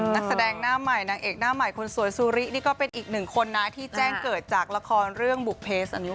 นักแสดงหน้าใหม่นางเอกหน้าใหม่คนสวยซูรินี่ก็เป็นอีกหนึ่งคนนะที่แจ้งเกิดจากละครเรื่องบุภเพศ